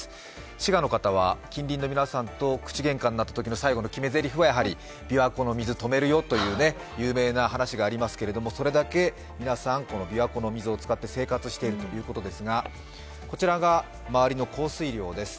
滋賀の方は近隣の皆さんと口げんかになったときの最後のセリフはやはりびわ湖の水、止めるよという有名な話がありますけれどもそれだけ皆さん、びわ湖の水を使って生活しているということです。